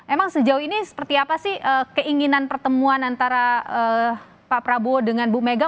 emang sejauh ini seperti apa sih keinginan pertemuan antara pak prabowo dengan bu mega